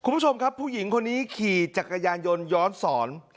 คุณผู้ชมครับผู้หญิงคนนี้ขี่จักรยานยนต์ย้อนสอน